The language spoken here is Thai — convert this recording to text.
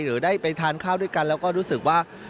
หรือได้ไปทานข้าวด้วยกันแล้วก็รู้สึกว่า